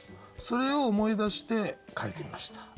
それを思い出して書いてみました。